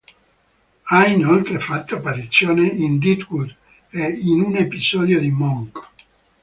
Ha inoltre fatto apparizioni in "Deadwood" e in un episodio di Monk.